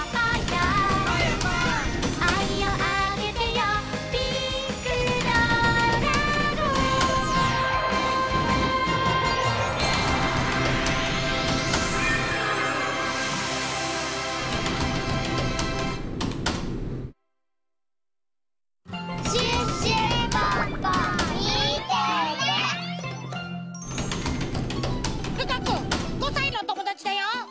かくん５さいのおともだちだよ。